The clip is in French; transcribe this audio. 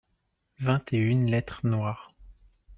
vingt et une lettres noires.